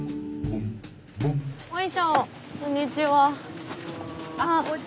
こんにちは。